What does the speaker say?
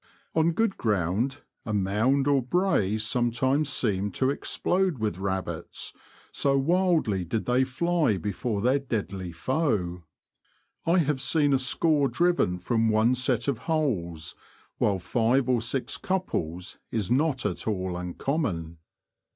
On good ground a mound or brae sometimes seemed to explode with rabbits, so wildly did they fly before their deadly foe. I have seen a score driven from one set of holes, while five or six couples is not at all uncommon.